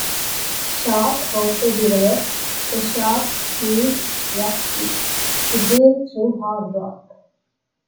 Sharp also developed the "Sharp-Hughes Rock Bit" to drill through hard rock.